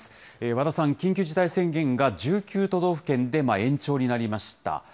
和田さん、緊急事態宣言が１９都道府県で延長になりました。